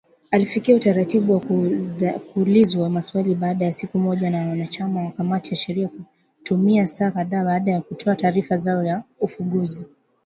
Alifikia utaratibu wa kuulizwa maswali baada ya siku moja na wanachama wa kamati ya sheria kutumia saa kadhaa baada ya kutoa taarifa zao za ufunguzi.